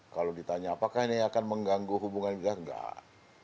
kalau ditanya apakah ini akan mengganggu hubungan militer enggak